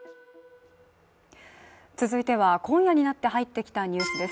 続いては、今夜になって入ってきたニュースです。